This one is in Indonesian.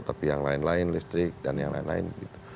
tapi yang lain lain listrik dan yang lain lain